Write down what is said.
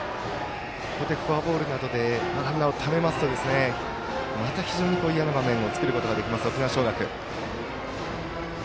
フォアボールなどでランナーをためますとまた非常に嫌な場面を作ることができます。